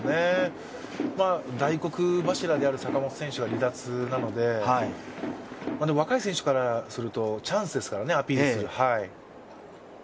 大黒柱である坂本選手が離脱なので、若い選手からするとアピールするチャンスですからね。